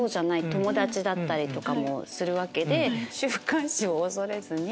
友達だったりとかもするわけで週刊誌を恐れずに。